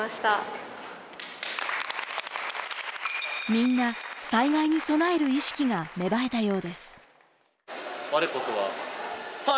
みんな災害に備える意識が芽生えたようです。